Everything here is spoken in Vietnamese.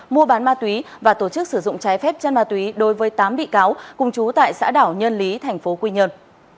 mua bán ma túy và tổ chức sử dụng trái phép chân ma túy đối với tám bị cáo cùng chú tại xã đảo nhân lý thành phố quy nhơn